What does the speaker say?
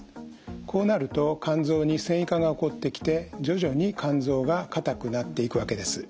こうなると肝臓に線維化が起こってきて徐々に肝臓が硬くなっていくわけです。